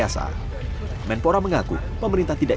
akan berjalan dengan baik